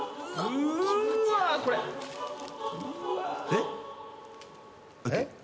えっ？